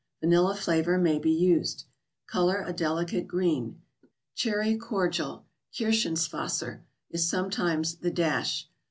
Vanilla flavor may be used. Color a delicate green. Cherry cordial, " Kirschenwasser," is sometimes " the dash."